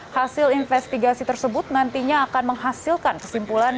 hasil investigasi tersebut nantinya akan menghasilkan kesimpulan